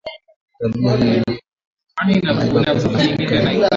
Tabia hii inafanya wanaiba pesa za serikali